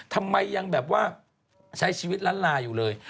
ทำไมยังแบบว่าใช้ชีวิตล้านลาอยู่เลย